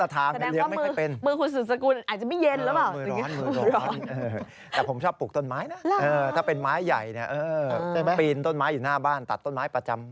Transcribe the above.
ถ้าปลูกต้นไม้ถ้าเป็นไม้ใหญ่ปีนต้นไม้อยู่หน้าบ้านตัดต้นไม้ประจำ